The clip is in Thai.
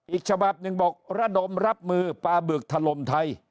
อีกฉบับหนึ่งบอกระดมรับมือปลาบึกถล่มไทย